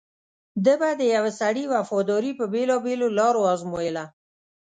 ده به د یوه سړي وفاداري په بېلابېلو لارو ازمویله.